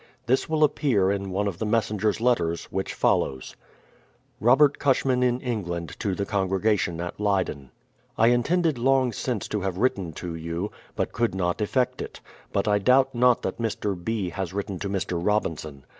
This will appear in one of the messenger's letters which follows : Robert CusJiman in England to the Congregation at Lcyden: I intended long since to have written to you, but could not effect it ; but I doubt not that Mr. B. has written to Mr. Robinson.